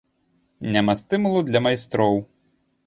Няма стымулу для майстроў.